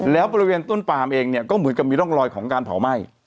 แล้วบริเวณต้นปามเองเนี่ยก็เหมือนกับมีร่องรอยของการเผาไหม้